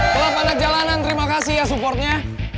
kelab andak jalanan terima kasih ya supportnya